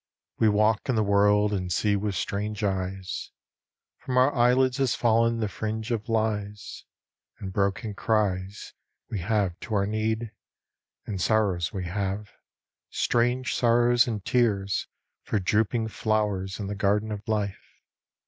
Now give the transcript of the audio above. We walk in the world and see with strange eyes ; From our eyelids has fallen the fringe of lies ; And broken cries we have to our need, And sorrows we have, strange sorrows, and tears For drooping flowers in the garden of life.